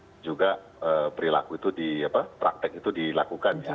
dan juga perilaku itu di praktek itu dilakukan ya